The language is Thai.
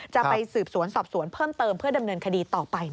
จะไปสืบสวนสอบสวนเพิ่มเติมเพื่อดำเนินคดีต่อไป